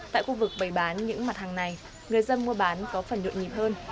tại khu vực bày bán những mặt hàng này người dân mua bán có phần nhộn nhịp hơn